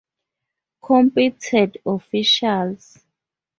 Competent Officials